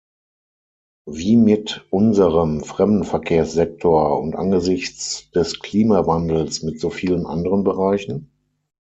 Wie mit unserem Fremdenverkehrssektor und angesichts des Klimawandels mit so vielen anderen Bereichen?